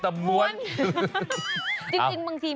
จริงบางทีไม่ต้องเข้าใจเนื้อ